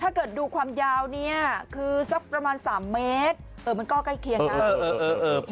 ถ้าเกิดดูความยาวเนี่ยคือสักประมาณ๓เมตรมันก็ใกล้เคียงนะ